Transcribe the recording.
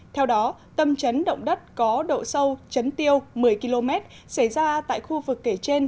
theo đó tâm chấn động đất có độ sâu chấn tiêu một mươi km xảy ra tại khu vực kể trên